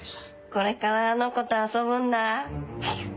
これからあの子と遊ぶんだフフっ。